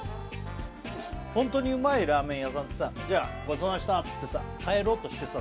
ホントにうまいラーメン屋さんってさごちそうさまでしたっつってさ帰ろうとしてさ